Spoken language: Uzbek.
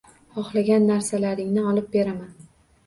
Xohlagan narsalaringni olib beraman.